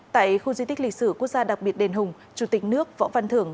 tại khu di tích lịch sử quốc gia đặc biệt đền hùng chủ tịch nước võ văn thưởng